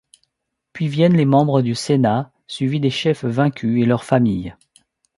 Puis viennent les membres du Sénat, suivis des chefs vaincus et leurs familles.